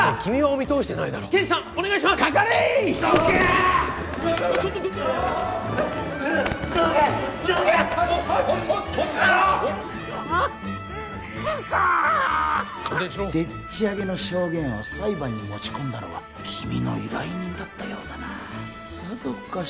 観念しろでっち上げの証言を裁判に持ち込んだのは君の依頼人だったようだなさぞかし